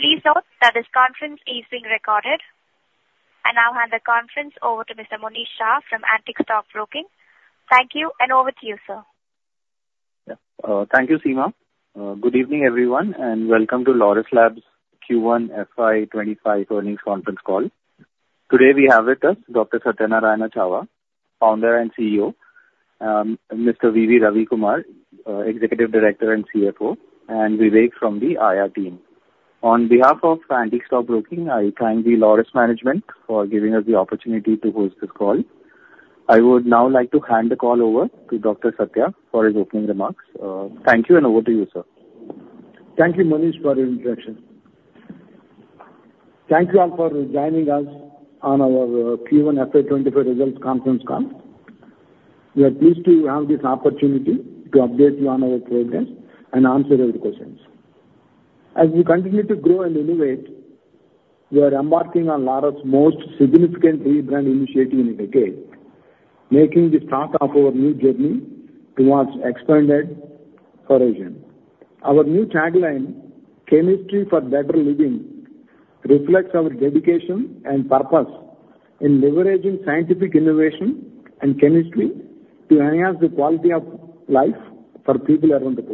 Please note that this conference is being recorded. I'll hand the conference over to Mr. Monish Shah from Antique Stock Broking. Thank you, and over to you, sir. Thank you, Seema. Good evening, everyone, and welcome to Laurus Labs Q1 FY25 earnings conference call. Today we have with us Dr. Satyanarayana Chava, founder and CEO, Mr. V. V. Ravi Kumar, executive director and CFO, and Vivek from the IR team. On behalf of Antique Stock Broking, I thank the Laurus management for giving us the opportunity to host this call. I would now like to hand the call over to Dr. Satya for his opening remarks. Thank you, and over to you, sir. Thank you, Monish, for your introduction. Thank you all for joining us on our Q1 FY25 results conference call. We are pleased to have this opportunity to update you on our progress and answer your questions. As we continue to grow and innovate, we are embarking on Laurus's most significant rebrand initiative in a decade, making the start of our new journey towards expanded horizon. Our new tagline, "Chemistry for Better Living," reflects our dedication and purpose in leveraging scientific innovation and chemistry to enhance the quality of life for people around the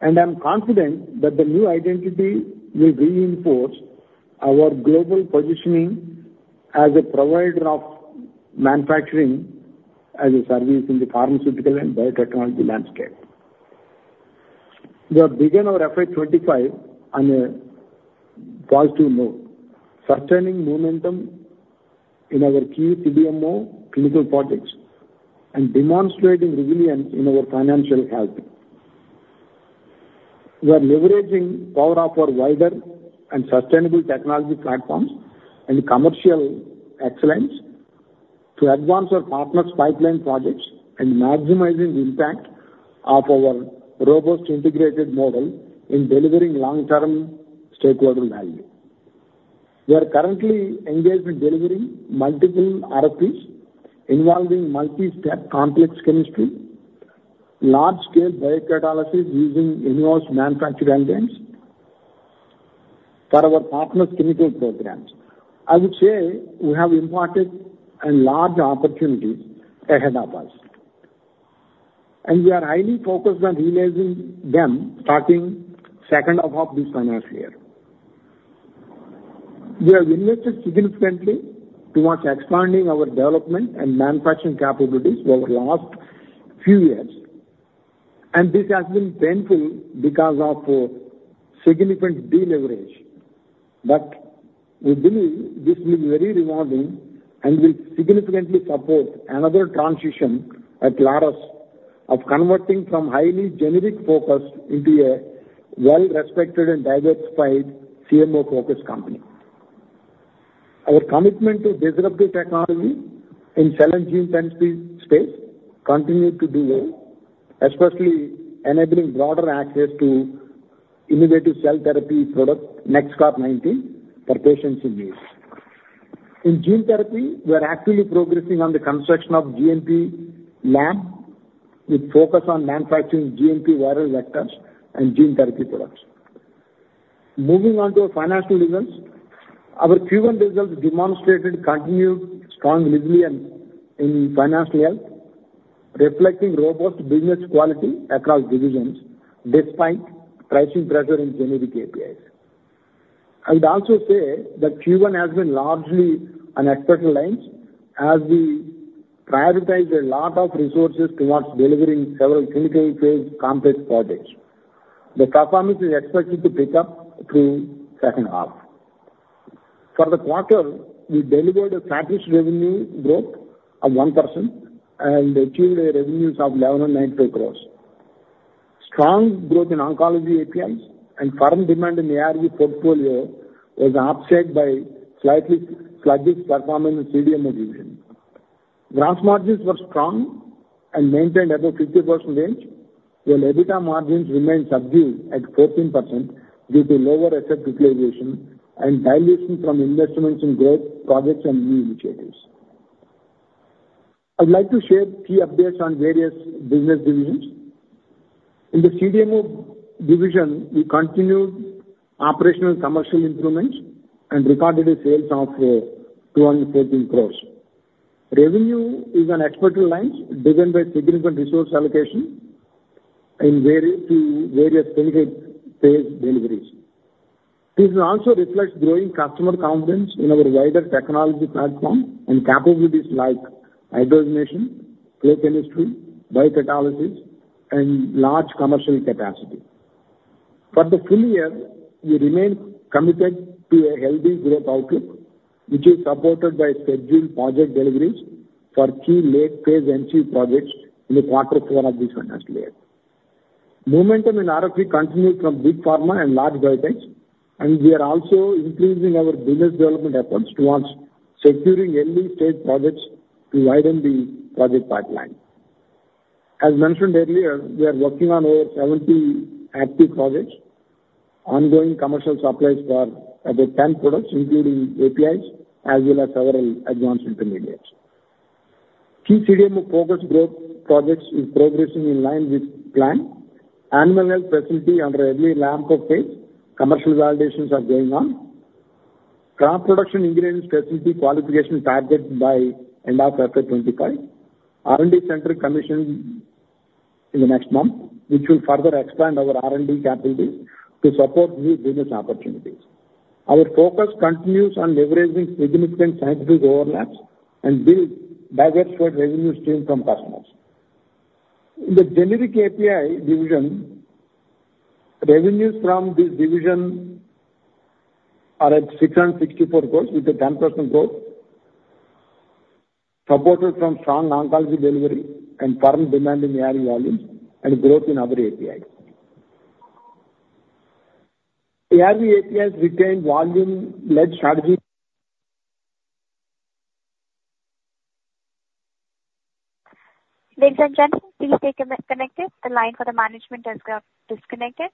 globe. I'm confident that the new identity will reinforce our global positioning as a provider of manufacturing as a service in the pharmaceutical and biotechnology landscape. We have begun our FY25 on a positive note, sustaining momentum in our key CDMO clinical projects and demonstrating resilience in our financial health. We are leveraging the power of our wider and sustainable technology platforms and commercial excellence to advance our partners' pipeline projects and maximizing the impact of our robust integrated model in delivering long-term stakeholder value. We are currently engaged in delivering multiple RFPs involving multi-step complex chemistry, large-scale biocatalysis using in-house manufactured enzymes, for our partners' clinical programs. I would say we have imparted large opportunities ahead of us, and we are highly focused on realizing them starting the second half of this financial year. We have invested significantly towards expanding our development and manufacturing capabilities over the last few years, and this has been painful because of significant deleverage. But we believe this will be very rewarding and will significantly support another transition at Laurus of converting from highly generic focus into a well-respected and diversified CMO-focused company. Our commitment to disruptive technology in cell and gene therapy space continues to do well, especially enabling broader access to innovative cell therapy product, NexCAR19, for patients in need. In gene therapy, we are actively progressing on the construction of a GMP lab with a focus on manufacturing GMP viral vectors and gene therapy products. Moving on to our financial results, our Q1 results demonstrated continued strong resilience in financial health, reflecting robust business quality across divisions despite pricing pressure in generic APIs. I would also say that Q1 has been largely on expected lines as we prioritized a lot of resources towards delivering several clinical phase complex projects. The performance is expected to pick up through the second half. For the quarter, we delivered a satisfactory revenue growth of 1% and achieved revenues of 1,192 crores. Strong growth in oncology APIs and foreign demand in the ARV portfolio was offset by slightly sluggish performance in CDMO division. Gross margins were strong and maintained above 50% range, while EBITDA margins remained subdued at 14% due to lower asset utilization and dilution from investments in growth projects and new initiatives. I would like to share key updates on various business divisions. In the CDMO division, we continued operational commercial improvements and recorded sales of 214 crores. Revenue is on expected lines driven by significant resource allocation to various clinical phase deliveries. This also reflects growing customer confidence in our wider technology platform and capabilities like hydrogenation, flow chemistry, biocatalysis, and large commercial capacity. For the full year, we remain committed to a healthy growth outlook, which is supported by scheduled project deliveries for key late-phase NCE projects in the quarter four of this financial year. Momentum in RFP continues from big pharma and large biotechs, and we are also increasing our business development efforts towards securing early-stage projects to widen the project pipeline. As mentioned earlier, we are working on over 70 active projects, ongoing commercial supplies for about 10 products, including APIs as well as several advanced intermediates. Key CDMO focus growth projects are progressing in line with planned. Animal health facility under early ramp-up phase. Commercial validations are going on. Crop Protection facility qualification is targeted by the end of FY25. R&D center commissioned in the next month, which will further expand our R&D capabilities to support new business opportunities. Our focus continues on leveraging significant scientific overlaps and building diversified revenue streams from customers. In the generic API division, revenues from this division are at 664 crore with a 10% growth, supported from strong oncology delivery and foreign demand in the ARV volumes and growth in other APIs. The ARV APIs retain volume-led strategy. Vincent Jensen, please stay connected. The line for the management has got disconnected.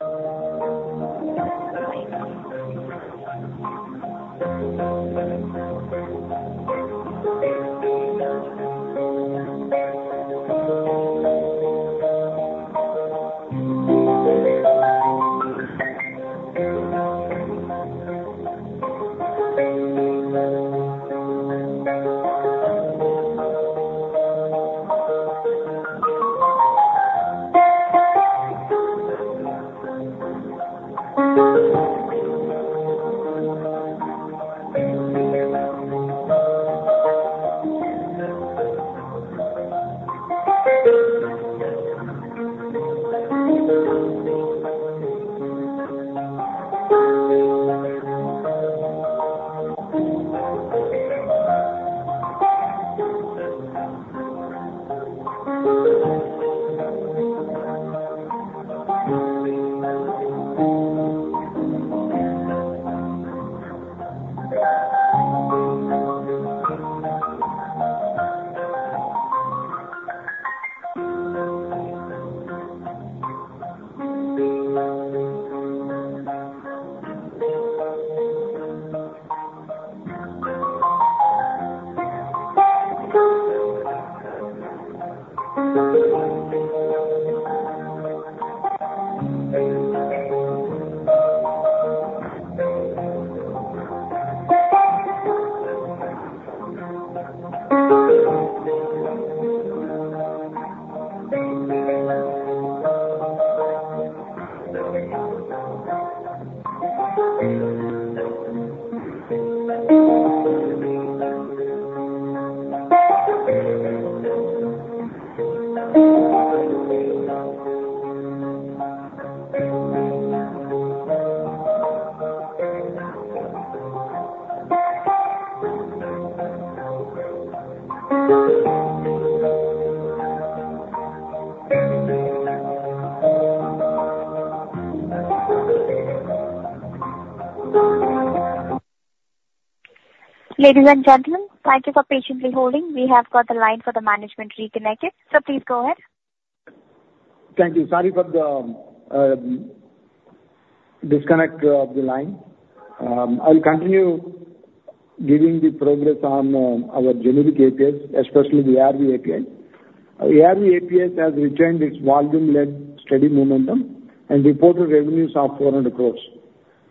Ladies and gentlemen, thank you for patiently holding. We have got the line for the management reconnected, so please go ahead. Thank you. Sorry for the disconnect of the line. I'll continue giving the progress on our generic APIs, especially the ARV API. The ARV APIs have retained its volume-led steady momentum and reported revenues of 400 crore.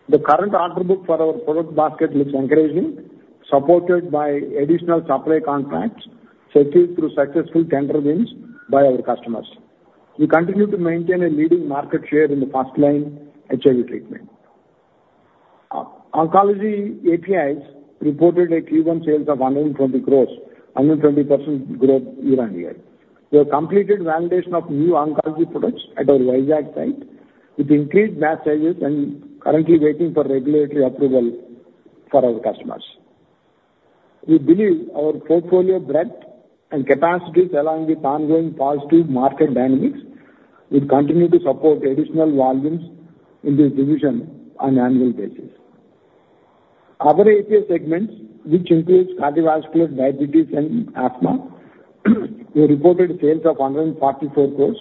The current order book for our product basket looks encouraging, supported by additional supply contracts secured through successful tender wins by our customers. We continue to maintain a leading market share in the first-line HIV treatment. Oncology APIs reported a Q1 sales of 120 crore, 120% growth year-on-year. We have completed validation of new oncology products at our Vizag site with increased batch sizes and currently waiting for regulatory approval for our customers. We believe our portfolio breadth and capacity, along with ongoing positive market dynamics, will continue to support additional volumes in this division on an annual basis. Other API segments, which include cardiovascular, diabetes, and asthma, reported sales of 144 crore,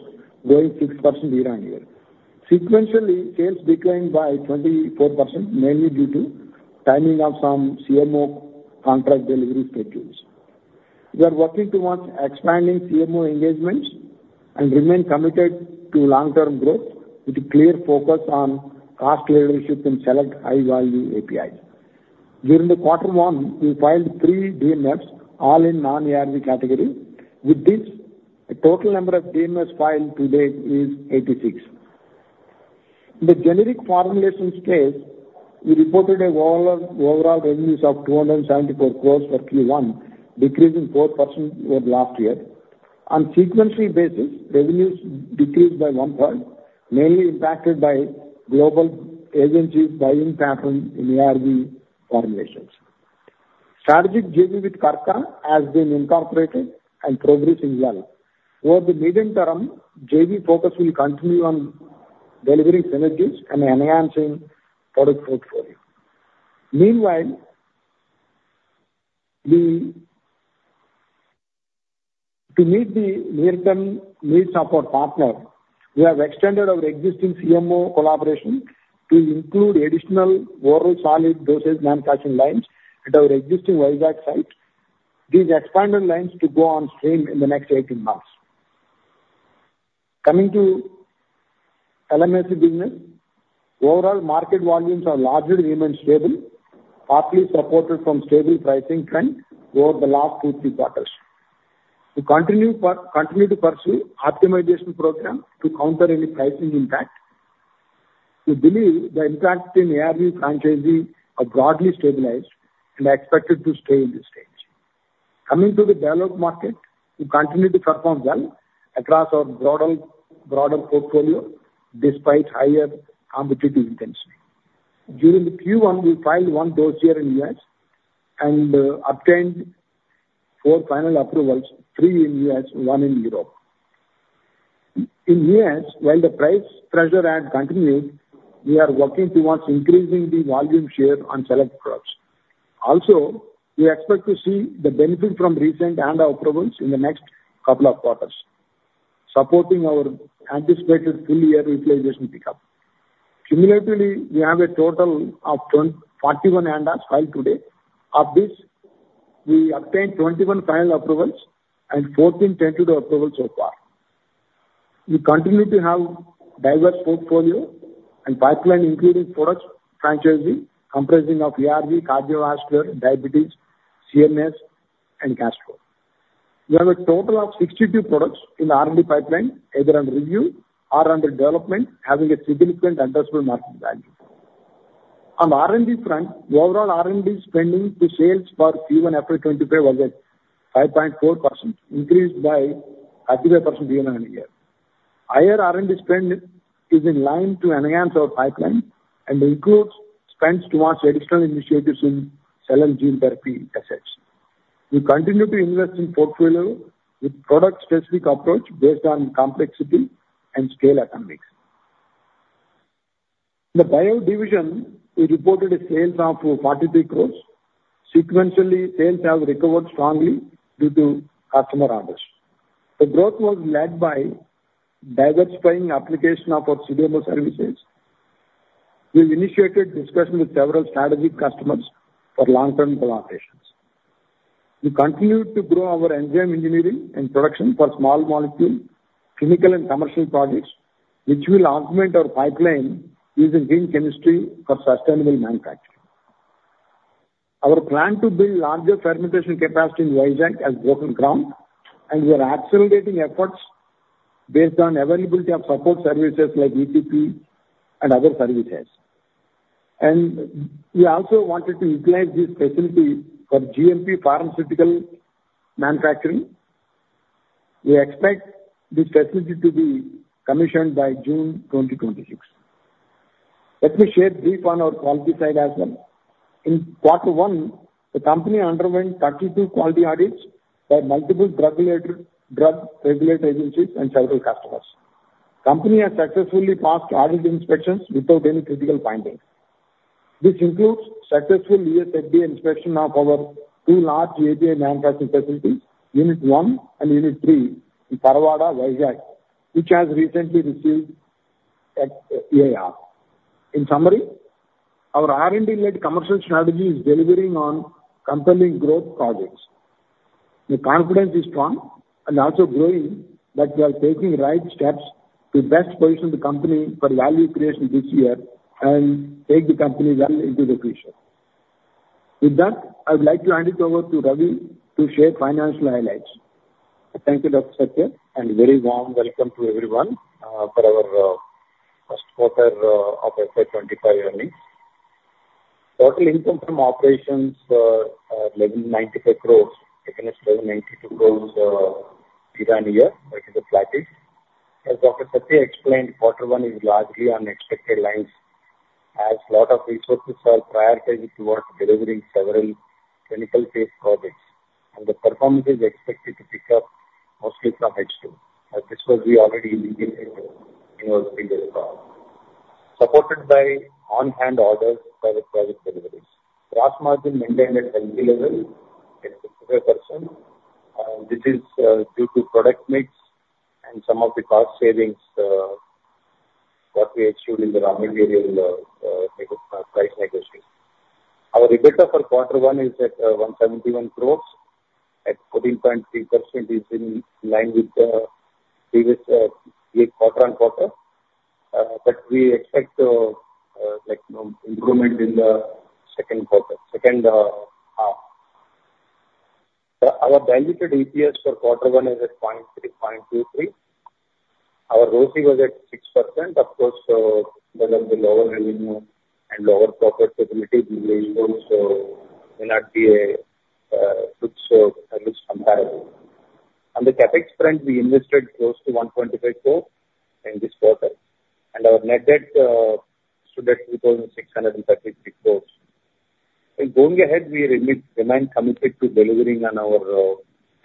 growing 6% year-on-year. Sequentially, sales declined by 24%, mainly due to timing of some CMO contract delivery schedules. We are working towards expanding CMO engagements and remaining committed to long-term growth with a clear focus on cost leadership in select high-value APIs. During quarter one, we filed 3 DMFs, all in non-ARV category. With this, the total number of DMFs filed to date is 86. In the generic formulation space, we reported overall revenues of 274 crore for Q1, decreasing 4% over last year. On a sequential basis, revenues decreased by one-third, mainly impacted by global agency's buying pattern in ARV formulations. Strategic JV with KRKA has been incorporated and progressing well. Over the medium term, JV focus will continue on delivering synergies and enhancing the product portfolio. Meanwhile, to meet the near-term needs of our partners, we have extended our existing CMO collaboration to include additional oral solid dosage manufacturing lines at our existing Vizag site. These expanded lines will go on stream in the next 18 months. Coming to LMIC business, overall market volumes are largely remained stable, partly supported from stable pricing trend over the last two to three quarters. We continue to pursue optimization programs to counter any pricing impact. We believe the impact in ARV franchise is broadly stabilized and expected to stay in this stage. Coming to the developed market, we continue to perform well across our broader portfolio despite higher competitive intensity. During Q1, we filed one Dossier in the U.S. and obtained four final approvals, three in the U.S. and one in Europe. In the U.S., while the price pressure has continued, we are working towards increasing the volume share on select products. Also, we expect to see the benefit from recent ANDA approvals in the next couple of quarters, supporting our anticipated full-year utilization pickup. Cumulatively, we have a total of 41 ANDAs filed to date. Of this, we obtained 21 final approvals and 14 tentative approvals so far. We continue to have a diverse portfolio and pipeline, including product franchises comprising ARV, cardiovascular, diabetes, CNS, and gastro. We have a total of 62 products in the R&D pipeline, either under review or under development, having a significant addressable market value. On the R&D front, overall R&D spending to sales for Q1 FY25 was at 5.4%, increased by 35% year-on-year. Higher R&D spend is in line to enhance our pipeline and includes spends towards additional initiatives in cell and gene therapy assets. We continue to invest in the portfolio with a product-specific approach based on complexity and scale economics. In the Bio division, we reported sales of 43 crore. Sequentially, sales have recovered strongly due to customer orders. The growth was led by diversifying the application of our CDMO services. We initiated discussions with several strategic customers for long-term collaborations. We continue to grow our enzyme engineering and production for small molecule, clinical, and commercial projects, which will augment our pipeline using green chemistry for sustainable manufacturing. Our plan to build larger fermentation capacity in Vizag has broken ground, and we are accelerating efforts based on the availability of support services like ETP and other services. And we also wanted to utilize this facility for GMP pharmaceutical manufacturing. We expect this facility to be commissioned by June 2026. Let me share briefly on our quality side as well. In quarter one, the company underwent 32 quality audits by multiple drug regulatory agencies and several customers. The company has successfully passed audit inspections without any critical findings. This includes successful US FDA inspection of our two large API manufacturing facilities, Unit 1 and Unit 3 in Parawada, Vizag, which has recently received EIR. In summary, our R&D-led commercial strategy is delivering on compelling growth projects. The confidence is strong and also growing, but we are taking the right steps to best position the company for value creation this year and take the company well into the future. With that, I would like to hand it over to Ravi to share financial highlights. Thank you, Dr. Satyanarayana Chava, and a very warm welcome to everyone for our first quarter of FY25 earnings. Total income from operations is 1,195 crores, taken as 1,192 crores year-on-year, which is a flat rate. As Dr. Satyanarayana explained, quarter one is largely on expected lines, as a lot of resources are prioritized towards delivering several clinical-phase projects, and the performance is expected to pick up mostly from H2, as this was already indicated in our previous call. Supported by on-hand orders by the project deliveries. Gross margin maintained at healthy level at 55%. This is due to product mix and some of the cost savings that we achieved in the non-material price negotiation. Our EBITDA for quarter one is at 171 crore, at 14.3%, which is in line with the previous quarter-on-quarter. But we expect improvement in the second quarter, second half. Our valuated EPS for quarter one is at 0.323. Our ROCE was at 6%. Of course, because of the lower revenue and lower profitability, we may also not be comparable. On the CapEx front, we invested close to 125 crore in this quarter, and our net debt stood at 2,633 crore. Going ahead, we remain committed to delivering on our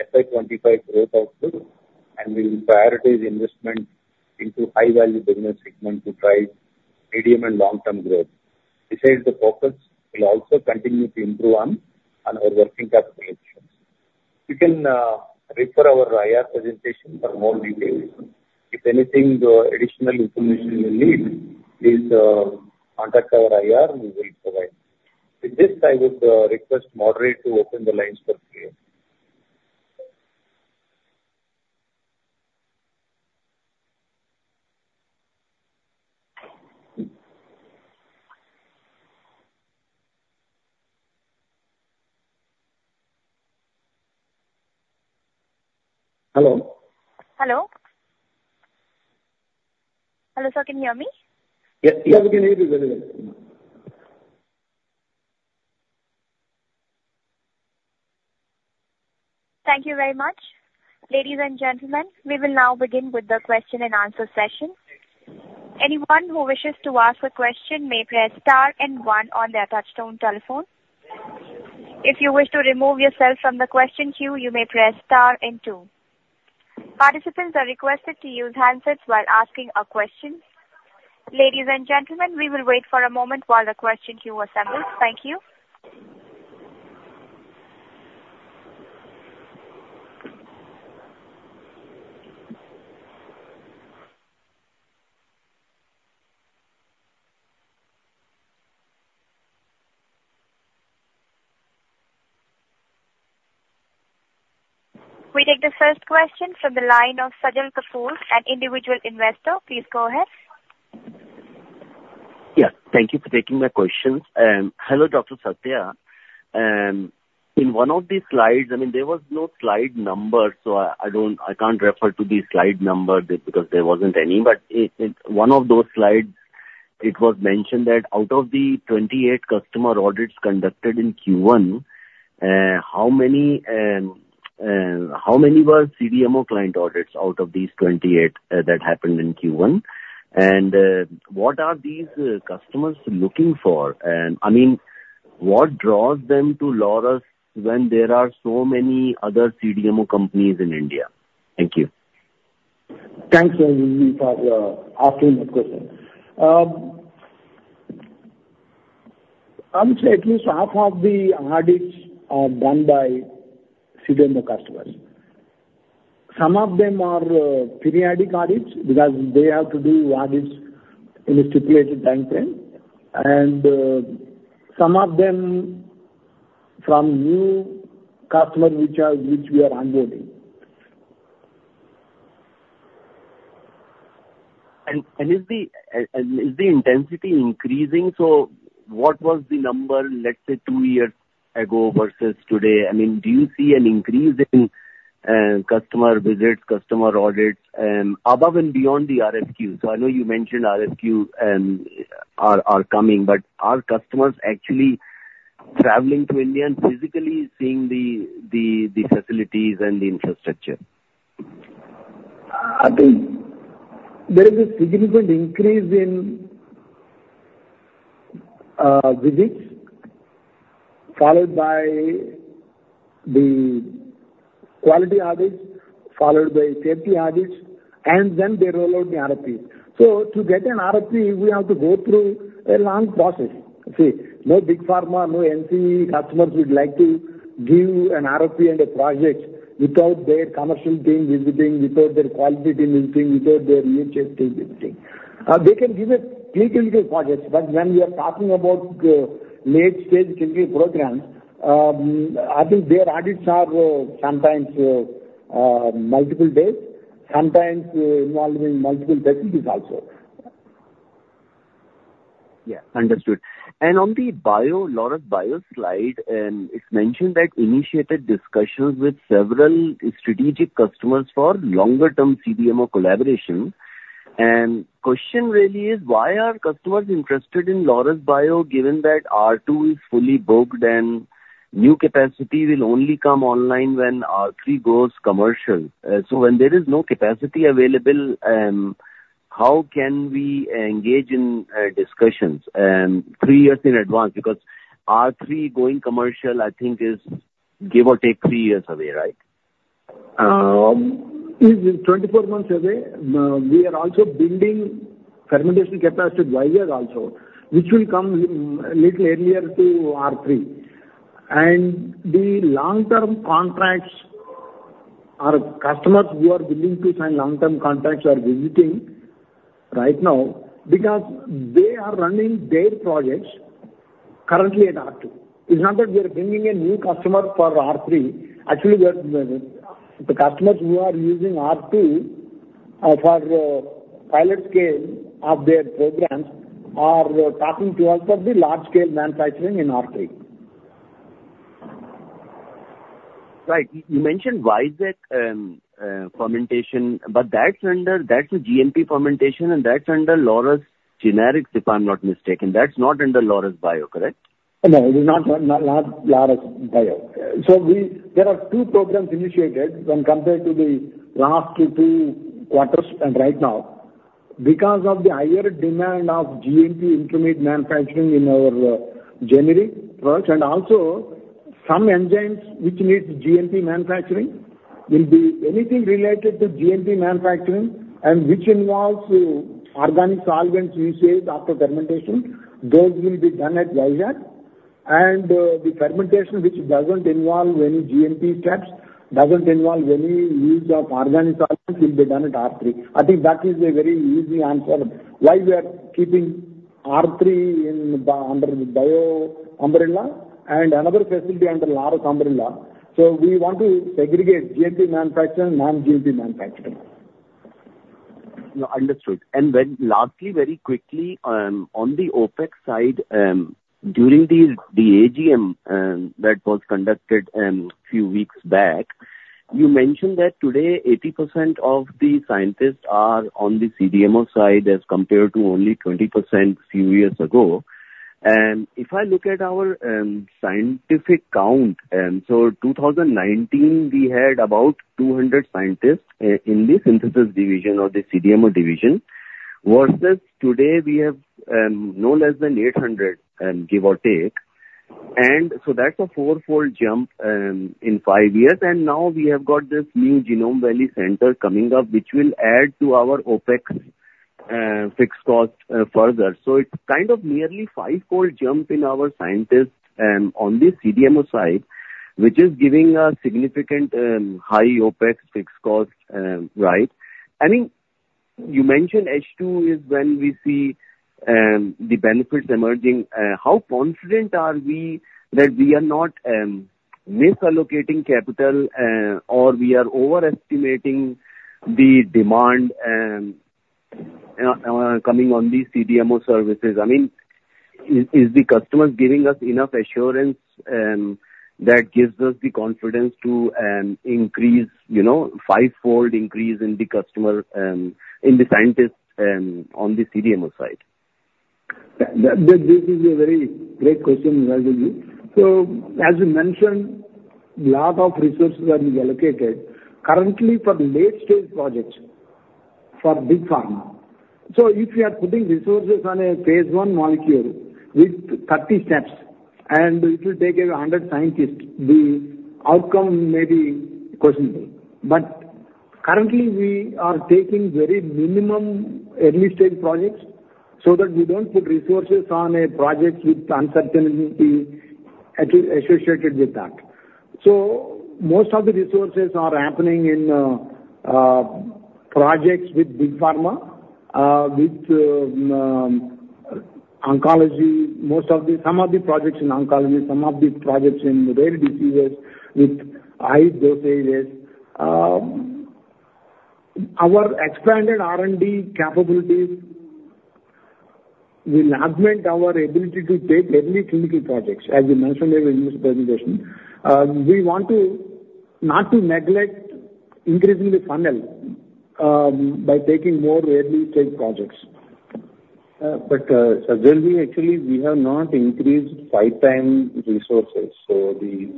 FY25 growth outlook, and we will prioritize investment into high-value business segment to drive medium and long-term growth. Besides, the focus will also continue to improve on our working capital issues. You can refer to our IR presentation for more details. If anything, additional information you need, please contact our IR, and we will provide. With this, I would request the moderator to open the lines for Q&A. Hello. Hello. Hello, sir. Can you hear me? Yes, we can hear you very well. Thank you very much. Ladies and gentlemen, we will now begin with the question-and-answer session. Anyone who wishes to ask a question may press star and one on their touchtone telephone. If you wish to remove yourself from the question queue, you may press star and two. Participants are requested to use handsets while asking a question. Ladies and gentlemen, we will wait for a moment while the question queue assembles. Thank you. We take the first question from the line of Sajal Kapoor, an individual investor. Please go ahead. Yes, thank you for taking my questions. Hello, Dr. Satyanarayana Chava. In one of the slides, I mean, there was no slide number, so I can't refer to the slide number because there wasn't any. But in one of those slides, it was mentioned that out of the 28 customer audits conducted in Q1, how many were CDMO client audits out of these 28 that happened in Q1? And what are these customers looking for? And I mean, what draws them to Laurus when there are so many other CDMO companies in India? Thank you. Thanks, and we'll have afternoon discussion. I would say at least half of the audits are done by CDMO customers. Some of them are periodic audits because they have to do audits in a stipulated time frame. And some of them are from new customers which we are onboarding. And is the intensity increasing? So what was the number, let's say, two years ago versus today? I mean, do you see an increase in customer visits, customer audits, above and beyond the RFPs? So I know you mentioned RFPs are coming, but are customers actually traveling to India and physically seeing the facilities and the infrastructure? I think there is a significant increase in visits, followed by the quality audits, followed by safety audits, and then they roll out the RFPs. So to get an RFP, we have to go through a long process. See, no big pharma, no NCE customers would like to give an RFP and a project without their commercial team visiting, without their quality team visiting, without their EHS team visiting. They can give a clinical project, but when we are talking about late-stage clinical programs, I think their audits are sometimes multiple days, sometimes involving multiple facilities also. Yeah. Understood. On the Laurus Bio slide, it's mentioned that initiated discussions with several strategic customers for longer-term CDMO collaboration. The question really is, why are customers interested in Laurus Bio given that R2 is fully booked and new capacity will only come online when R3 goes commercial? So when there is no capacity available, how can we engage in discussions 3 years in advance? Because R3 going commercial, I think, is give or take 3 years away, right? It is 24 months away. We are also building fermentation capacity 5 years also, which will come a little earlier to R3. The long-term contracts are customers who are willing to sign long-term contracts are visiting right now because they are running their projects currently at R2. It's not that we are bringing in new customers for R3. Actually, the customers who are using R2 for pilot scale of their programs are talking to us for the large-scale manufacturing in R3. Right. You mentioned Vizag Fermentation, but that's under GMP Fermentation, and that's under Laurus Generics, if I'm not mistaken. That's not under Laurus Bio, correct? No, it is not Laurus Bio. So there are two programs initiated when compared to the last two quarters and right now. Because of the higher demand of GMP intermediate manufacturing in our generic products and also some enzymes which need GMP manufacturing, anything related to GMP manufacturing and which involves organic solvents used after fermentation, those will be done at Vizag. And the fermentation, which doesn't involve any GMP steps, doesn't involve any use of organic solvents, will be done at R3. I think that is a very easy answer why we are keeping R3 under the Bio umbrella and another facility under Laurus umbrella. So we want to segregate GMP manufacturing and non-GMP manufacturing. Understood. And lastly, very quickly, on the OpEx side, during the AGM that was conducted a few weeks back, you mentioned that today 80% of the scientists are on the CDMO side as compared to only 20% a few years ago. And if I look at our scientific count, so 2019, we had about 200 scientists in the synthesis division or the CDMO division versus today we have no less than 800, give or take. And now we have got this new Genome Valley Center coming up, which will add to our OpEx fixed cost further. So it's kind of nearly a five-fold jump in our scientists on the CDMO side, which is giving a significant high OpEx fixed cost, right? I mean, you mentioned H2 is when we see the benefits emerging. How confident are we that we are not misallocating capital or we are overestimating the demand coming on the CDMO services? I mean, is the customer giving us enough assurance that gives us the confidence to increase a five-fold increase in the scientists on the CDMO side? This is a very great question, Rajan. So as you mentioned, a lot of resources are being allocated currently for late-stage projects for big pharma. So if you are putting resources on a phase I molecule with 30 steps and it will take 100 scientists, the outcome may be questionable. But currently, we are taking very minimum early-stage projects so that we don't put resources on a project with uncertainty associated with that. So most of the resources are happening in projects with big pharma, with oncology, some of the projects in oncology, some of the projects in rare diseases with high dosages. Our expanded R&D capabilities will augment our ability to take early clinical projects, as you mentioned in this presentation. We want not to neglect increasing the funnel by taking more early-stage projects. But Satyanarayana, actually, we have not increased five-time resources. So the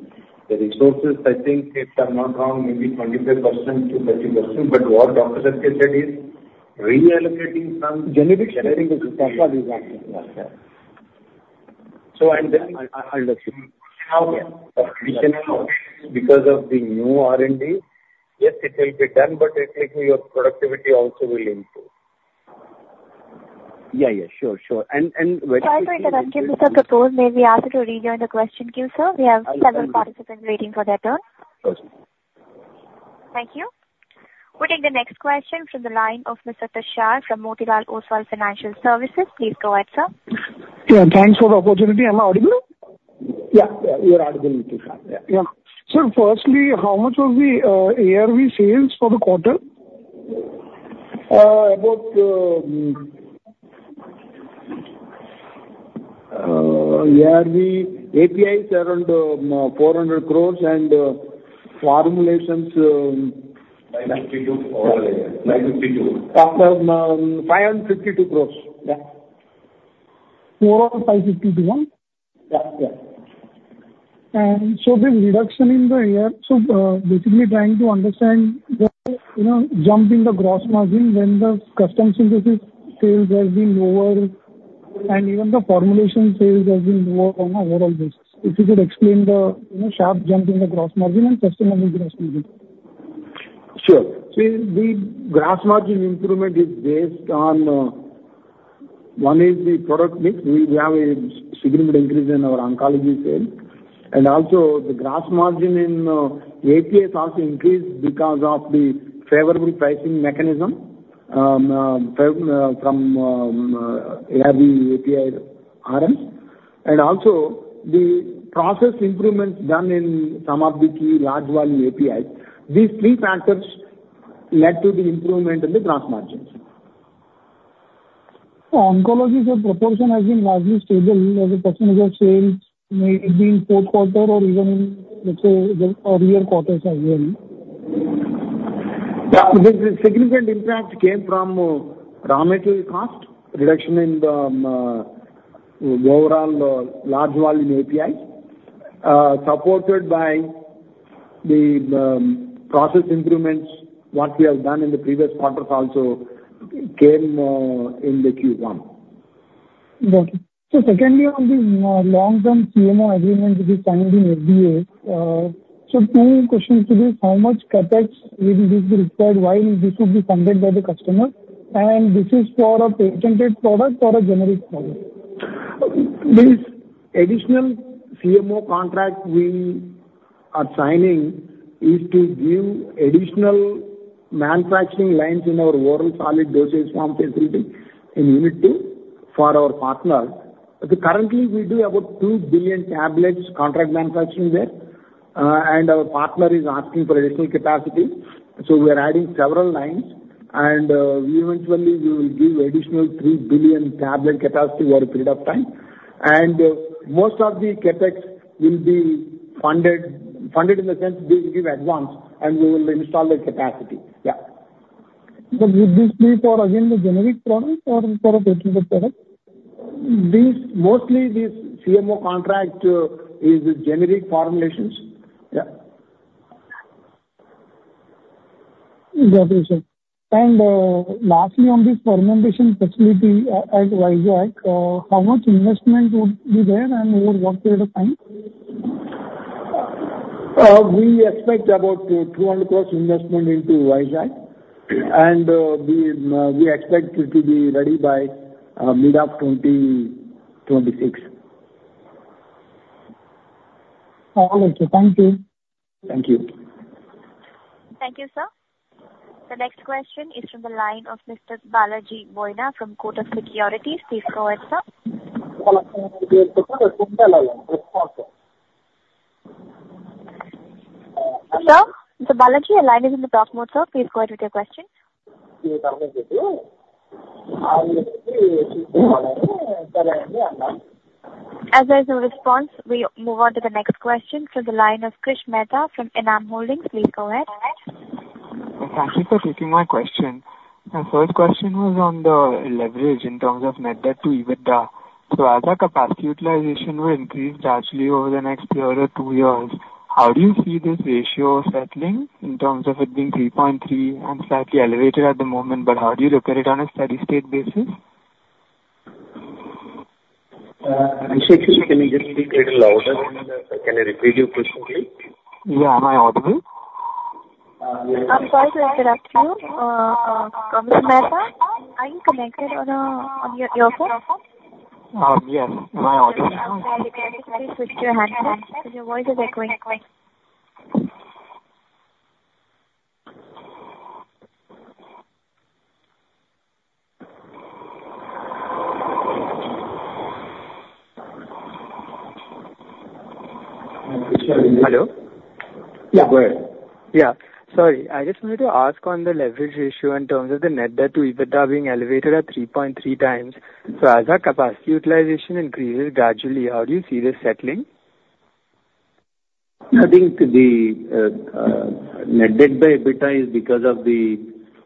resources, I think, if I'm not wrong, maybe 25%-30%. But what Dr. Satyanarayana said is reallocating some generics. Generics. That's what he's saying. So understood. Okay. We can allocate because of the new R&D. Yes, it will be done, but it will take your productivity also will improve. Yeah, yeah. Sure, sure. Very quickly. Sorry to interrupt you, Mr. Kapoor, may we ask you to rejoin the question queue, sir? We have several participants waiting for their turn. Thank you. We take the next question from the line of Mr. Tushar Manudhane from Motilal Oswal Financial Services. Please go ahead, sir. Yeah. Thanks for the opportunity. Am I audible? Yeah, yeah. You're audible, Mr. Manudhane. Yeah. So firstly, how much was the ARV sales for the quarter? About ARV, API is around INR 400 crore and formulations. 552. 552. 552. 552 crore. Yeah. More or less INR 552 crore, huh? Yeah, yeah. So the reduction in the year, so basically trying to understand the jump in the gross margin when the custom synthesis sales have been lower and even the formulation sales have been lower on overall basis. If you could explain the sharp jump in the gross margin and sustainable gross margin. Sure. So the gross margin improvement is based on one is the product mix. We have a significant increase in our oncology sales. Also the gross margin in APIs also increased because of the favorable pricing mechanism from ARV, API, RMS. Also the process improvements done in Unit 1, Unit 3, large volume APIs. These three factors led to the improvement in the gross margins. Oncology's proportion has been largely stable as a percentage of sales. May have been fourth quarter or even, let's say, earlier quarters as well. Yeah. The significant impact came from raw material cost reduction in the overall large volume APIs, supported by the process improvements that we have done in the previous quarters, also came in the Q1. Got it. Secondly, on the long-term CMO agreement which is signed in FDA, so two questions to this. How much CapEx will be required while this would be funded by the customer? And this is for a patented product or a generic product? This additional CMO contract we are signing is to give additional manufacturing lines in our oral solid dosage form facility in Unit 2 for our partners. Currently, we do about 2 billion tablets contract manufacturing there. Our partner is asking for additional capacity. We are adding several lines. Eventually, we will give additional 3 billion tablet capacity over a period of time. Most of the CapEx will be funded in the sense they will give advance and we will install the capacity. Yeah. Would this be for, again, the generic product or for a patented product? Mostly, this CMO contract is generic formulations. Yeah. Got it, sir. And lastly, on this fermentation facility at Vizag, how much investment would be there and over what period of time? We expect about 200 crore investment into Vizag. We expect it to be ready by mid-2026. All right. Thank you. Thank you. Thank you, sir. The next question is from the line of Mr. Balaji Boina from Kotak Securities. Please go ahead, sir. Sir, Mr. Balaji, your line is in the talk mode, sir. Please go ahead with your question. As there is no response, we move on to the next question from the line of Krish Mehta from Enam Holdings. Please go ahead. Thank you for taking my question. And so his question was on the leverage in terms of net debt to EBITDA. So as our capacity utilization will increase gradually over the next year or two years, how do you see this ratio settling in terms of it being 3.3 and slightly elevated at the moment? But how do you look at it on a steady-state basis? Can you just speak a little louder? Can you repeat your question, please? Yeah. Am I audible? I'm sorry to interrupt you, Mr. Mehta. Are you connected on your phone? Yes. Am I audible? Please switch to your handphone because your voice is echoing. Hello? Yeah, go ahead. Yeah. Sorry. I just wanted to ask on the leverage issue in terms of the net debt to EBITDA being elevated at 3.3x. So as our capacity utilization increases gradually, how do you see this settling? I think the net debt to EBITDA is because of the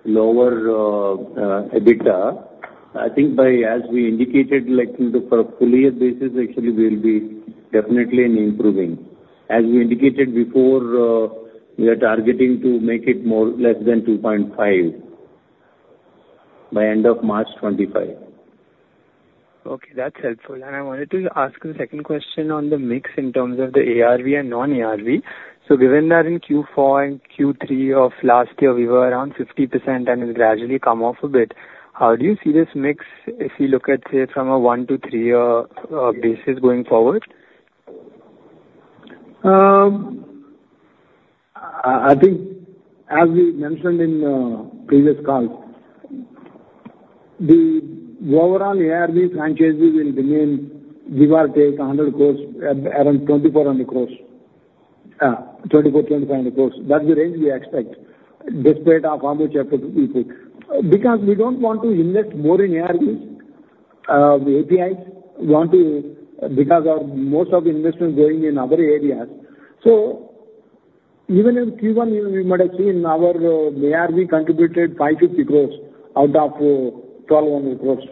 lower EBITDA. I think by, as we indicated, for a four-year basis, actually, we'll be definitely improving. As we indicated before, we are targeting to make it less than 2.5x by end of March 2025. Okay. That's helpful. I wanted to ask the second question on the mix in terms of the ARV and non-ARV. Given that in Q4 and Q3 of last year, we were around 50% and it gradually come off a bit, how do you see this mix if you look at, say, from a one- to three-year basis going forward? I think, as we mentioned in previous calls, the overall ARV franchises will remain, give or take, around 2,400 crores. Yeah, 2,400-2,500 crores. That's the range we expect, despite how much effort we put. Because we don't want to invest more in ARVs. The APIs want to, because most of the investment going in other areas. So even in Q1, we might have seen our ARV contributed 550 crores out of 1,200 crores.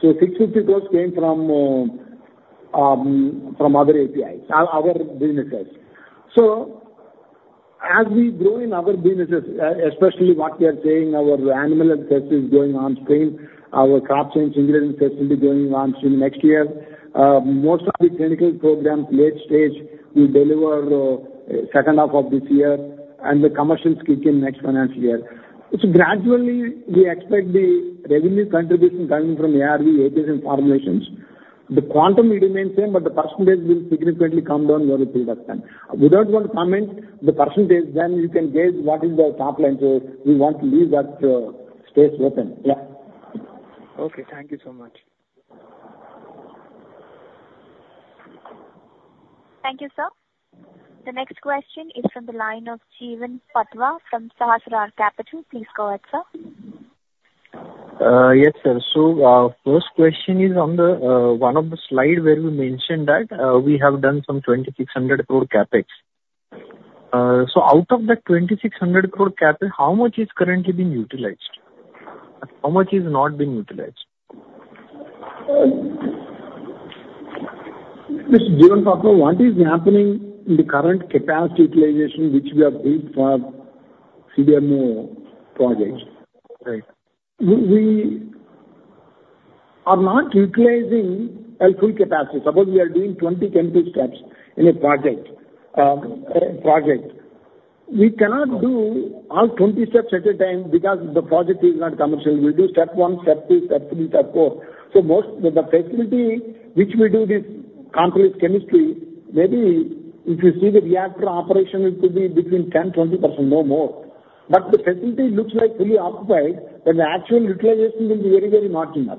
So 650 crores came from other APIs, other businesses. So as we grow in other businesses, especially what we are saying, our Animal Health facility is going on stream. Our Crop Protection facility is going on stream next year. Most of the clinical programs, late stage, we deliver second half of this year. And the commercials kick in next financial year. So gradually, we expect the revenue contribution coming from ARV, APIs, and formulations. The quantum will remain same, but the percentage will significantly come down over a period of time. Without one comment, the percentage, then you can gauge what is the top line. So we want to leave that space open. Yeah. Okay. Thank you so much. Thank you, sir. The next question is from the line of Jeevan Patwa from Sahastra Capital. Please go ahead, sir. Yes, sir. So our first question is on one of the slides where we mentioned that we have done some 2,600 crore CapEx. So out of that 2,600 crore CapEx, how much is currently being utilized? How much is not being utilized? Mr. Jeevan Patwa, what is happening in the current capacity utilization which we have built for CDMO projects? Right. We are not utilizing a full capacity. Suppose we are doing 20 chemical steps in a project. We cannot do all 20 steps at a time because the project is not commercial. We do step one, step two, step three, step four. So the facility which we do this complex chemistry, maybe if you see the reactor operation, it could be between 10%-20%, no more. But the facility looks like fully occupied, but the actual utilization will be very, very marginal.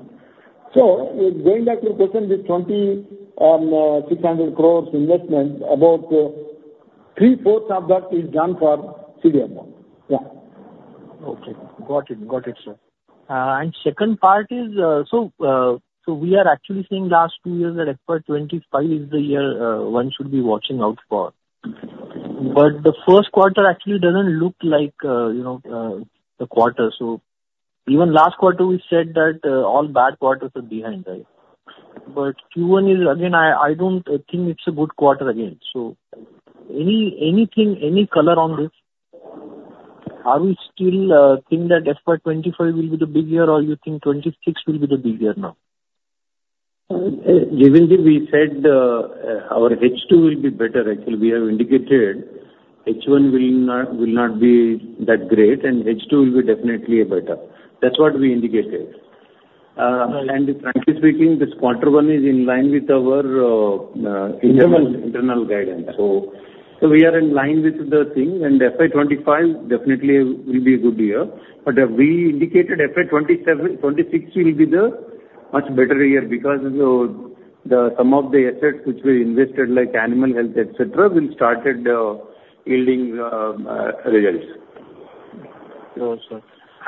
So going back to the question, this 2,600 crore investment, about three-fourths of that is done for CDMO. Yeah. Okay. Got it. Got it, sir. And second part is, so we are actually seeing last 2 years that FY25 is the year one should be watching out for. But the first quarter actually doesn't look like the quarter. So even last quarter, we said that all bad quarters are behind, right? But Q1 is, again, I don't think it's a good quarter again. So any color on this? Are we still think that FY25 will be the big year or you think 26 will be the big year now? Given that we said our H2 will be better, actually, we have indicated H1 will not be that great, and H2 will be definitely better. That's what we indicated. And frankly speaking, this quarter one is in line with our internal guidance. So we are in line with the thing. And FY25 definitely will be a good year. But we indicated FY26 will be the much better year because some of the assets which were invested, like animal health, etc., will start yielding results.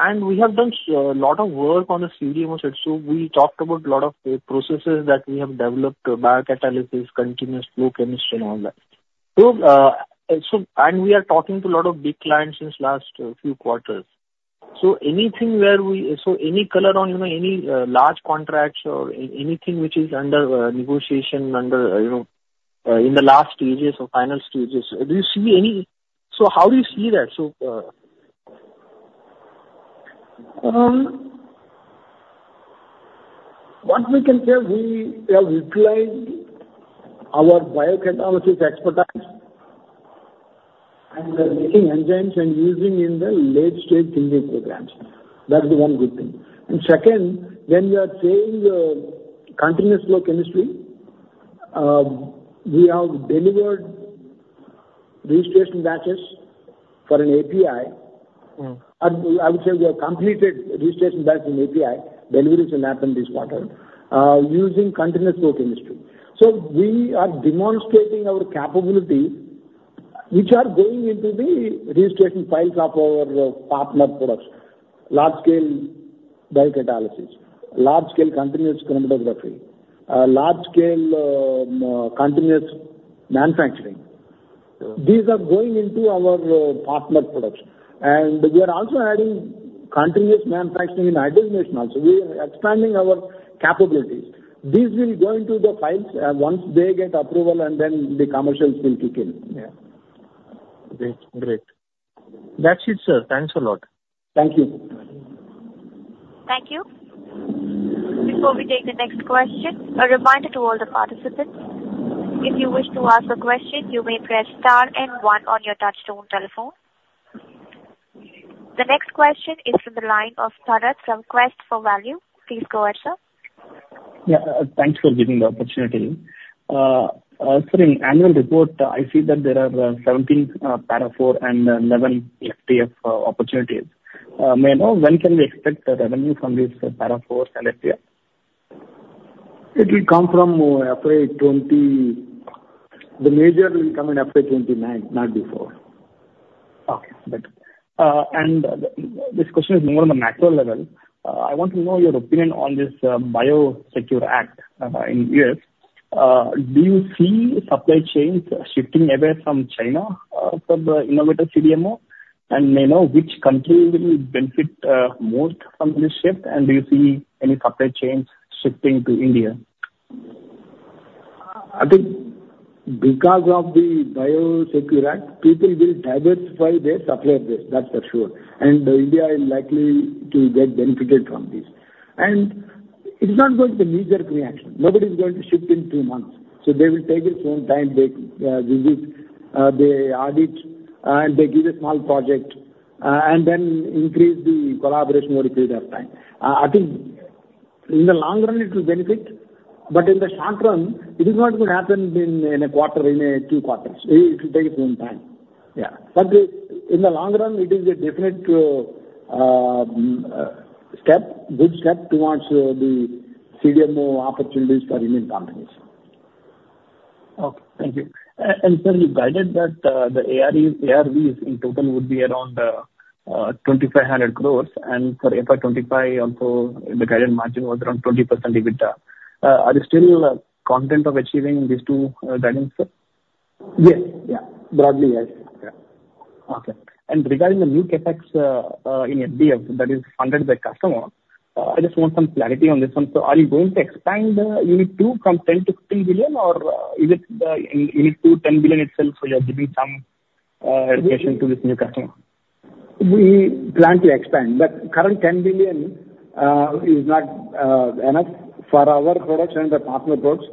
And we have done a lot of work on the CDMO side. So we talked about a lot of processes that we have developed, biocatalysis, continuous flow chemistry, and all that. And we are talking to a lot of big clients since last few quarters. So anything where we see any color on any large contracts or anything which is under negotiation in the last stages or final stages, do you see any? So how do you see that? What we can say, we have utilized our biocatalysis expertise and we are making enzymes and using in the late-stage engineering programs. That's the one good thing. And second, when we are saying continuous flow chemistry, we have delivered registration batches for an API. I would say we have completed registration batch in API. Delivery is in API in this quarter, using continuous flow chemistry. So we are demonstrating our capability, which are going into the registration files of our partner products, large-scale biocatalysis, large-scale continuous chromatography, large-scale continuous manufacturing. These are going into our partner products. And we are also adding continuous manufacturing in hydrogenation also. We are expanding our capabilities. These will go into the files once they get approval, and then the commercials will kick in. Yeah. Great. Great. That's it, sir. Thanks a lot. Thank you. Thank you. Before we take the next question, a reminder to all the participants. If you wish to ask a question, you may press star and one on your touch-tone telephone. The next question is from the line of Bharat from Quest Investment Advisors. Please go ahead, sir. Yeah. Thanks for giving the opportunity. Sir, in annual report, I see that there are 17 Para IV and 11 FDF opportunities. May I know when can we expect the revenue from these Para IVs and FDF? It will come from FY20. The major will come in FY29, not before. Okay. This question is more on the macro level. I want to know your opinion on this Biosecure Act in the U.S. Do you see supply chains shifting away from China for the innovative CDMO? May I know which country will benefit most from this shift? Do you see any supply chains shifting to India? I think because of the Biosecure Act, people will diversify their supply base. That's for sure. India is likely to get benefited from this. It's not going to be a major reaction. Nobody is going to shift in two months. They will take its own time. They visit, they audit, and they give a small project, and then increase the collaboration over a period of time. I think in the long run, it will benefit. In the short run, it is not going to happen in a quarter, in two quarters. It will take its own time. Yeah. In the long run, it is a definite step, good step towards the CDMO opportunities for Indian companies. Okay. Thank you. And sir, you guided that the ARVs in total would be around 2,500 crore. And for FY25, also, the guided margin was around 20% EBITDA. Are you still confident of achieving these two guidance, sir? Yes. Yeah. Broadly, yes. Yeah. Okay. And regarding the new CapEx in FDF that is funded by customer, I just want some clarity on this one. So are you going to expand Unit 2 from 10 to 15 billion, or is it Unit 2, 10 billion itself, so you are giving some education to this new customer? We plan to expand. But current 10 billion is not enough for our products and the partner products.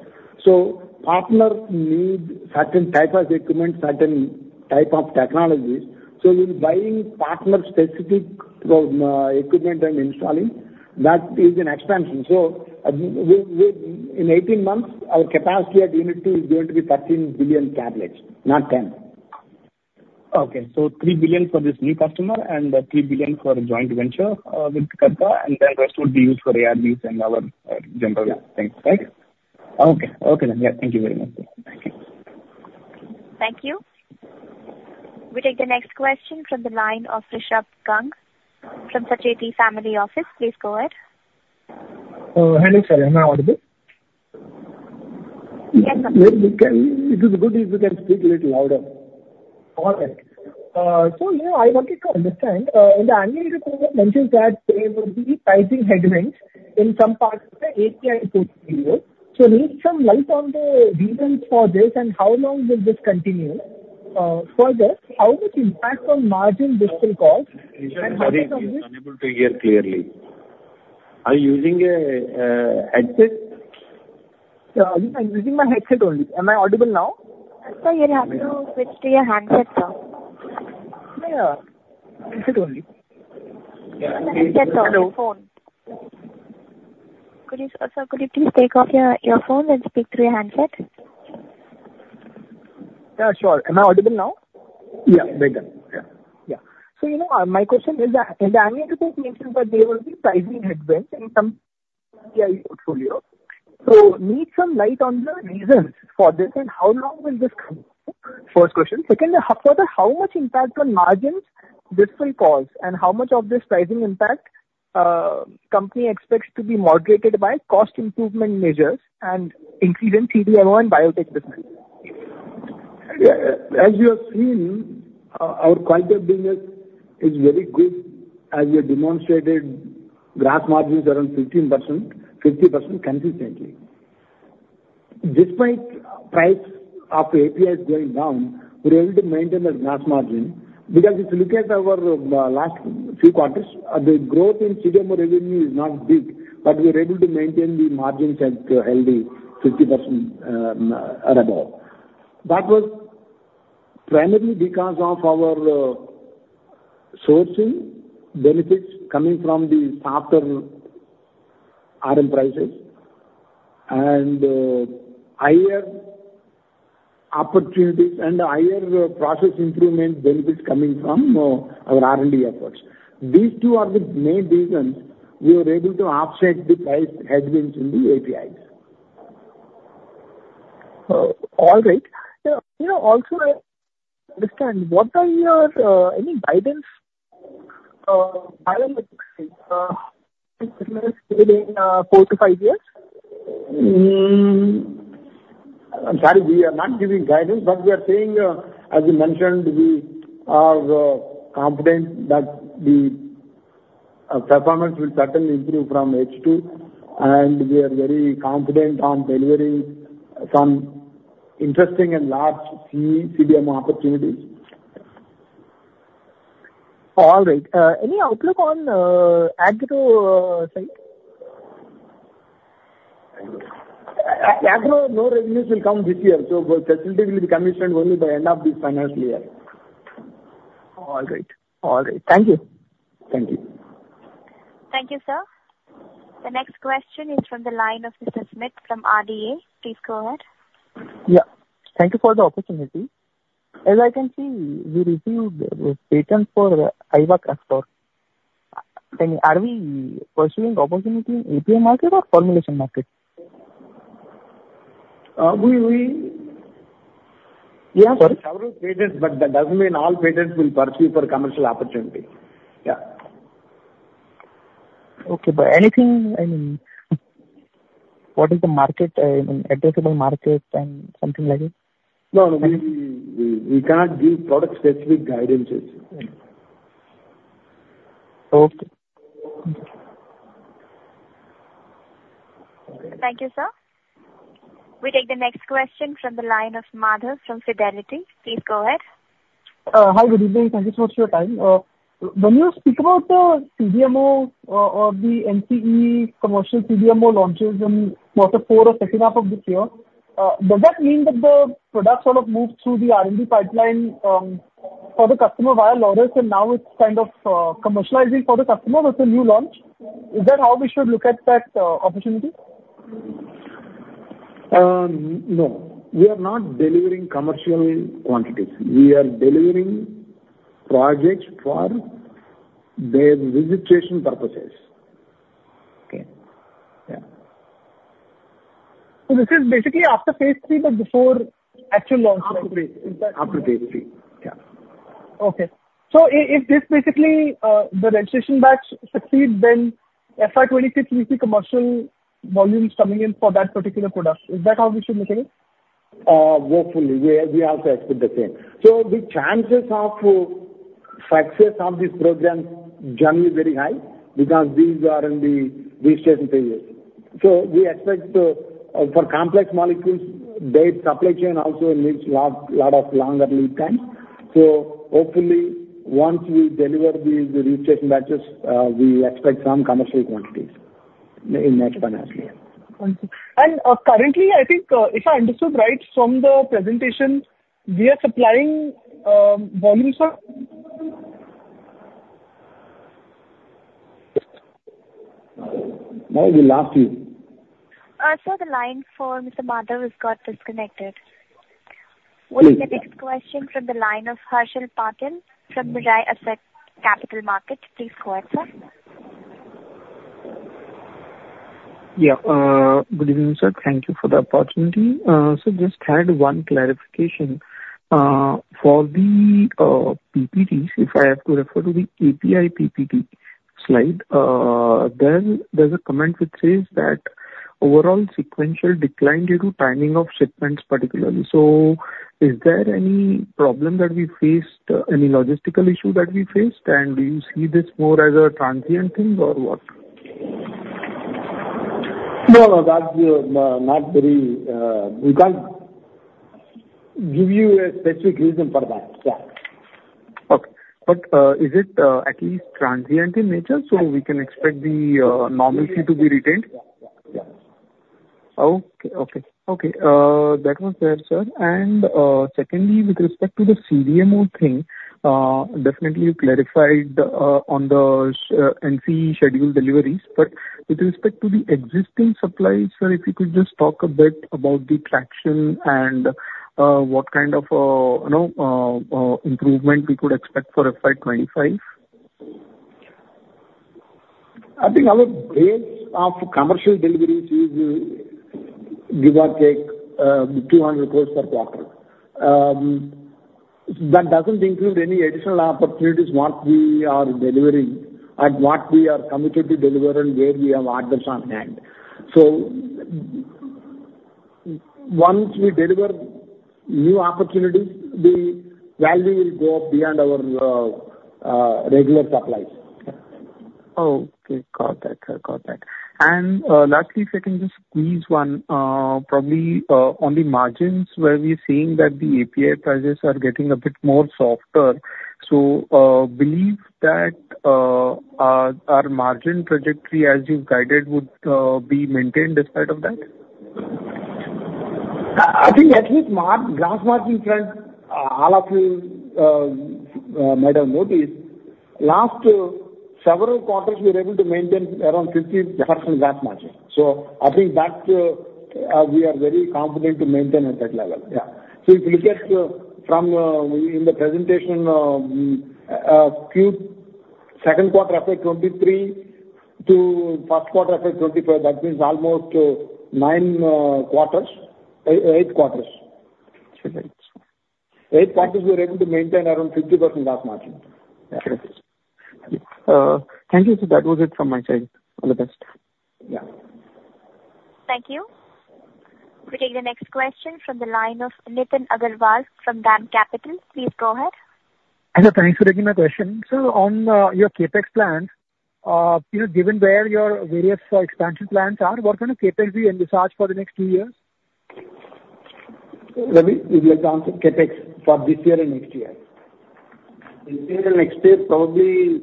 So partners need certain type of equipment, certain type of technologies. So we're buying partner-specific equipment and installing. That is an expansion. So in 18 months, our capacity at Unit 2 is going to be 13 billion tablets, not 10. Okay. So 3 billion for this new customer and 3 billion for joint venture with KRKA, and then the rest would be used for ARVs and our general things, right? Yeah. Okay. Okay then. Yeah. Thank you very much. Thank you. Thank you. We take the next question from the line of Rishabh Jain from Sancheti Family Office. Please go ahead. Hello, sir. Am I audible? Yes, sir. It is good if you can speak a little louder. All right. So yeah, I wanted to understand. In the annual report, it mentions that there will be pricing headwinds in some parts of the API portfolio. So, need some light on the reasons for this and how long will this continue. Further, how much impact on margin this will cause and how much of this? Sorry. I'm unable to hear clearly. Are you using a headset? I'm using my headset only. Am I audible now? Sir, you're having to switch to your handset, sir. Yeah. Headset only. Yeah. Headset on the phone. Sir, could you please take off your phone and speak through your handset? Yeah, sure. Am I audible now? Yeah. Very good. Yeah. Yeah. So my question is, in the annual report, it mentions that there will be pricing headwinds in some ARV portfolio. So, shed some light on the reasons for this and how long will this last? First question. Second, further, how much impact on margins this will cause and how much of this pricing impact company expects to be moderated by cost improvement measures and increase in CDMO and biotech business? As you have seen, our quality of business is very good as we demonstrated gross margins around 15%-50% consistently. Despite price of APIs going down, we were able to maintain that gross margin because if you look at our last few quarters, the growth in CDMO revenue is not big, but we were able to maintain the margins at healthy 50% or above. That was primarily because of our sourcing benefits coming from the softer RM prices and higher opportunities and higher process improvement benefits coming from our R&D efforts. These two are the main reasons we were able to offset the price headwinds in the APIs. All right. Also, I understand. What are your any guidance? Guidance within 4-5 years? I'm sorry. We are not giving guidance, but we are saying, as you mentioned, we are confident that the performance will certainly improve from H2, and we are very confident on delivering some interesting and large CDMO opportunities. All right. Any outlook on Agro side? Agro, no revenues will come this year. Facility will be commissioned only by end of this financial year. All right. All right. Thank you. Thank you. Thank you, sir. The next question is from the line of Mr. Smith from RDA. Please go ahead. Yeah. Thank you for the opportunity. As I can see, we received patents for Ivacaftor. Are we pursuing opportunity in API market or formulation market? We are pursuing several patents, but that doesn't mean all patents will pursue for commercial opportunity. Yeah. Okay. But anything, I mean, what is the market, I mean, addressable market and something like it? No, no. We cannot give product-specific guidances. Okay. Thank you, sir. We take the next question from the line of Marta from Fidelity. Please go ahead. Hi, good evening. Thank you so much for your time. When you speak about the CDMO or the NCE commercial CDMO launches in quarter four or second half of this year, does that mean that the products sort of move through the R&D pipeline for the customer via Laurus and now it's kind of commercializing for the customer with the new launch? Is that how we should look at that opportunity? No. We are not delivering commercial quantities. We are delivering projects for their registration purposes. Okay. Yeah. This is basically after phase III, but before actual launch? After phase III. Yeah. Okay. So if this basically the registration batch succeeds, then FI26, we see commercial volumes coming in for that particular product. Is that how we should look at it? Hopefully. We also expect the same. So the chances of success of these programs generally are very high because these are in the registration phases. So we expect for complex molecules, their supply chain also needs a lot of longer lead times. So hopefully, once we deliver these registration batches, we expect some commercial quantities in the next financial year. Currently, I think, if I understood right from the presentation, we are supplying volumes of? No, you lost you. Sir, the line for Marta has got disconnected. We'll take the next question from the line of Harshil Patil from Mirae Asset Capital Markets. Please go ahead, sir. Yeah. Good evening, sir. Thank you for the opportunity. Sir, just had one clarification. For the PPTs, if I have to refer to the API PPT slide, there's a comment which says that overall sequential decline due to timing of shipments particularly. So is there any problem that we faced, any logistical issue that we faced? And do you see this more as a transient thing or what? No, no. That's not very. We can't give you a specific reason for that. Yeah. Okay. But is it at least transient in nature so we can expect the normalcy to be retained? Yeah. Yeah. That was there, sir. And secondly, with respect to the CDMO thing, definitely you clarified on the NCE schedule deliveries. But with respect to the existing supplies, sir, if you could just talk a bit about the traction and what kind of improvement we could expect for FY25? I think our base of commercial deliveries is, give or take, 200 crore per quarter. That doesn't include any additional opportunities what we are delivering at what we are committed to deliver and where we have orders on hand. So once we deliver new opportunities, the value will go beyond our regular supplies. Okay. Got that. Got that. And lastly, if I can just squeeze one, probably on the margins where we're seeing that the API prices are getting a bit more softer, so believe that our margin trajectory, as you've guided, would be maintained as part of that? I think at least gross margin trend, all of you might have noticed, last several quarters, we were able to maintain around 50% gross margin. So I think that we are very confident to maintain at that level. Yeah. So if you look at from in the presentation, second quarter FY23 to first quarter FY25, that means almost nine quarters, eight quarters. Eight quarters. 8 quarters, we were able to maintain around 50% gross margin. Okay. Thank you, sir. That was it from my side. All the best. Yeah. Thank you. We take the next question from the line of Nitin Agarwal from DAM Capital. Please go ahead. Hi, sir. Thanks for taking my question. Sir, on your CapEx plans, given where your various expansion plans are, what kind of CapEx do you envisage for the next two years? Let me give you a chance of CapEx for this year and next year. This year and next year, probably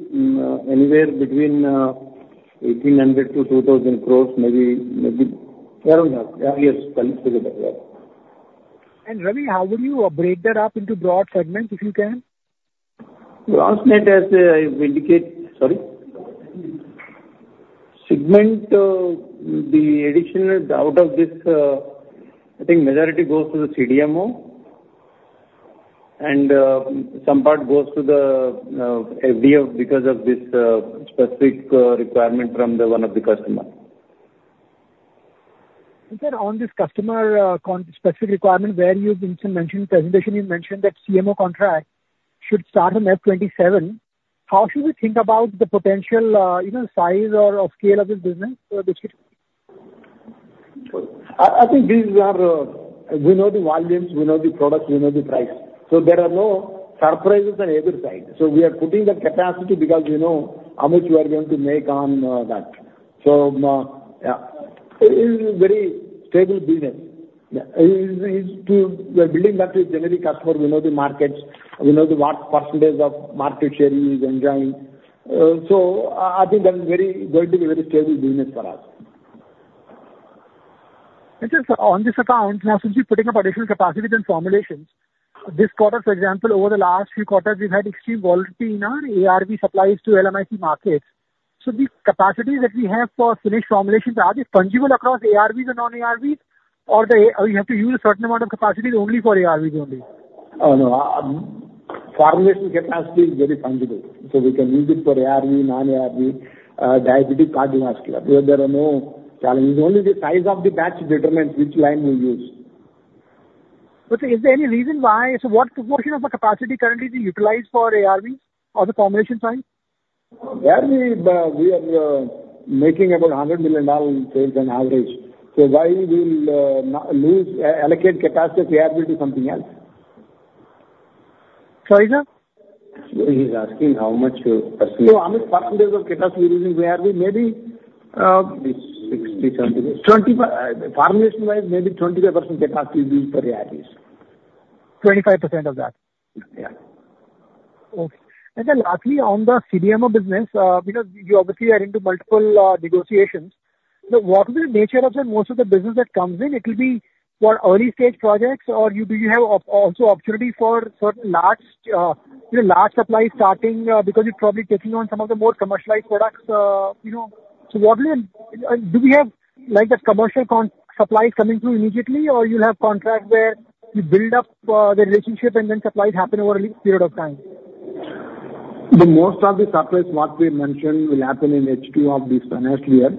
anywhere between 1,800 crore-2,000 crore, maybe around that. Yeah. Yes. That looks good. Yeah. Ravi, how would you break that up into broad segments if you can? Gross net, as I indicate, sorry. Segment, the additional out of this, I think majority goes to the CDMO and some part goes to the FDF because of this specific requirement from one of the customers. Sir, on this customer specific requirement, where you mentioned in the presentation, you mentioned that CMO contract should start on F27. How should we think about the potential size or scale of this business? I think these are we know the volumes, we know the products, we know the price. So there are no surprises on either side. We are putting that capacity because we know how much we are going to make on that. Yeah, it is a very stable business. We are building that to a generic customer. We know the markets. We know what percentage of market share he is enjoying. I think that is going to be a very stable business for us. And sir, on this account, now since you're putting up additional capacities and formulations, this quarter, for example, over the last few quarters, we've had extreme volatility in our ARV supplies to LMIC markets. So the capacities that we have for finished formulations, are they fungible across ARVs and non-ARVs, or do we have to use a certain amount of capacity only for ARVs only? Oh, no. Formulation capacity is very fungible. So we can use it for ARV, non-ARV, diabetic cardiovascular. There are no challenges. Only the size of the batch determines which line we use. But is there any reason why? So what proportion of the capacity currently is utilized for ARVs or the formulation side? We are making about $100 million sales on average. So why we will allocate capacity to ARVs to something else? Sorry, sir? He's asking how much percent? No, how much percentage of capacity we're using for ARV? Maybe? Maybe 60-something. Formulation-wise, maybe 25% capacity used for ARVs. 25% of that? Yeah. Okay. Sir, lastly, on the CDMO business, because you obviously are into multiple negotiations, what is the nature of most of the business that comes in? It will be for early-stage projects, or do you have also opportunity for large supplies starting because you're probably taking on some of the more commercialized products? So do we have that commercial supplies coming through immediately, or you'll have contracts where you build up the relationship and then supplies happen over a period of time? Most of the supplies, what we mentioned, will happen in H2 of this financial year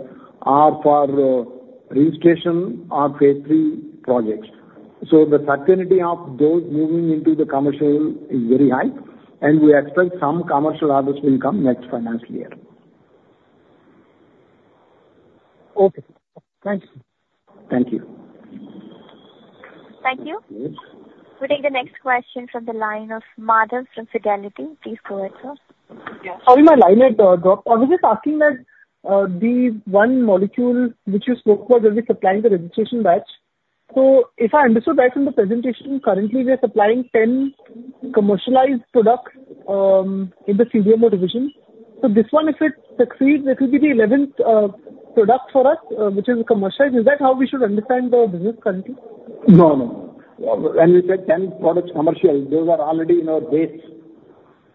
are for registration or phase III projects. So the certainty of those moving into the commercial is very high, and we expect some commercial orders will come next financial year. Okay. Thank you. Thank you. Thank you. We take the next question from the line of Marta from Fidelity. Please go ahead, sir. Yes. Sorry, my line had dropped. I was just asking that the one molecule which you spoke about, we're supplying the registration batch. So if I understood right from the presentation, currently, we are supplying 10 commercialized products in the CDMO division. So this one, if it succeeds, it will be the 11th product for us, which is commercialized. Is that how we should understand the business currently? No, no, no. When we said 10 products commercial, those are already in our base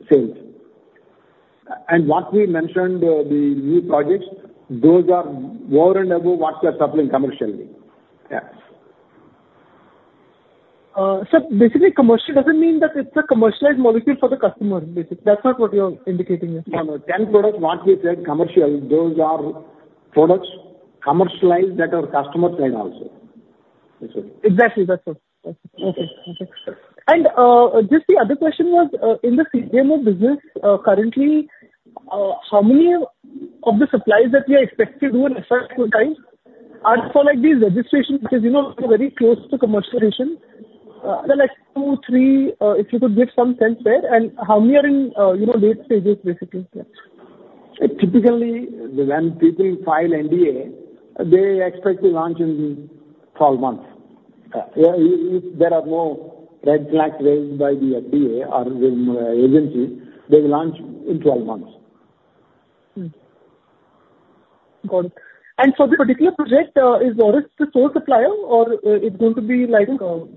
sales. What we mentioned, the new projects, those are more and above what we are supplying commercially. Yeah. Sir, basically, commercial doesn't mean that it's a commercialized molecule for the customer, basically. That's not what you're indicating here. No, no. 10 products, what we said, commercial, those are products commercialized that are customer-side also. That's all. Exactly. That's all. That's all. Okay. Okay. And just the other question was, in the CDMO business currently, how many of the supplies that we are expected to do in a certain time are for these registration which is very close to commercialization? Like 2, 3, if you could give some sense there. And how many are in late stages, basically? Typically, when people file NDA, they expect to launch in 12 months. Yeah. If there are no red flags raised by the FDA or the agency, they will launch in 12 months. Got it. For the particular project, is Laurus the sole supplier, or it's going to be like most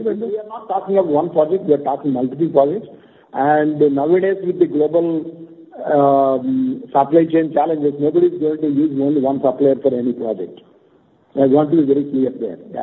vendors? We are not talking of one project. We are talking multiple projects. Nowadays, with the global supply chain challenges, nobody's going to use only one supplier for any project. I want to be very clear there.